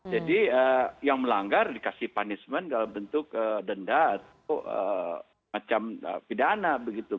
jadi yang melanggar dikasih punishment dalam bentuk denda macam pidana begitu